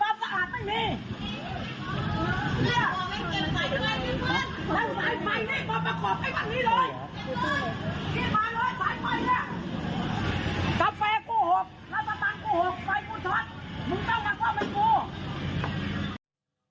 มึงต้องมากล้อมกันดู